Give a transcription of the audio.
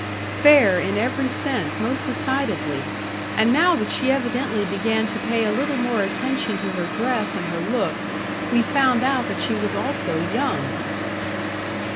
Fair, in every sense, most decidedly. And now that she evidently began to pay a little more attention to her dress and her looks, we found out that she was also young.